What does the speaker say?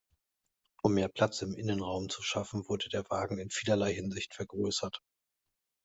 Um mehr Platz im Innenraum zu schaffen, wurde der Wagen in vielerlei Hinsicht vergrößert.